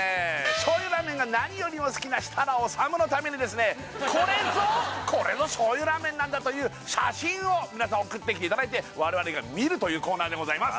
醤油ラーメンが何よりも好きな設楽統のためにこれぞこれぞ醤油ラーメンなんだという写真を皆さん送ってきていただいて我々が見るというコーナーでございます